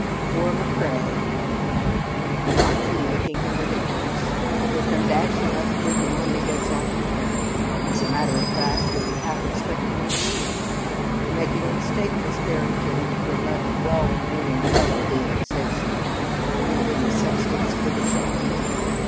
"Poor McCrea," put in Fulham. "Aren't you making him ridiculous? He'll come dashing up here the moment he gets off the train. As a matter of fact, he'll be half expecting you to meet him. You're making a mistake, Miss Barrington, if you'll let a well meaning fellow being say so. You're leaving the substance for the shadow."